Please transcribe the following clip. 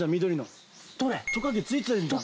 トカゲついてんじゃん。